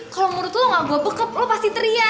kalau menurut lo gak gue bekap lo pasti teriak